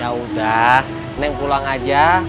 yaudah neng pulang aja